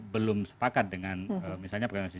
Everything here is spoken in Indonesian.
belum sepakat dengan misalnya perkawinan sejenis